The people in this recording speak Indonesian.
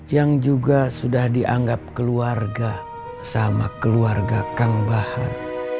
yang juga sudah dianggap keluarga sama keluarga kang bahar